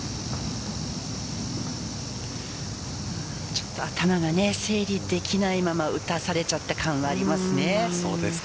ちょっと頭が整理できないまま打たされちゃった感はありますね。